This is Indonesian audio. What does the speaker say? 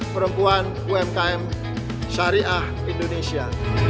perempuan umkm syariah indonesia